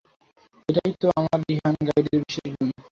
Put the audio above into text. এটাই তো আমার রিহান গাইডের বিশেষ গুন।